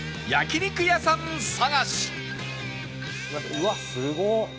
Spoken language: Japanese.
うわすごっ！